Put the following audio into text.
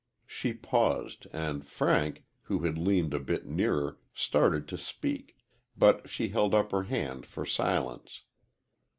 She paused, and Frank, who had leaned a bit nearer, started to speak, but she held up her hand for silence.